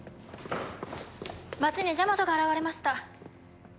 町にジャマトが現れました。